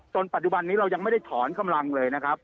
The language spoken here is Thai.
ปัจจุบันนี้เรายังไม่ได้ถอนกำลังเลยนะครับ